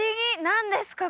何ですか？